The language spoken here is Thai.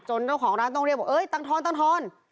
จนเจ้าของร้านตรงเรียนบอกเอ้ยตังค์ทอน